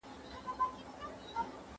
¬ يادوه مي ته، مړوي به مي خداى.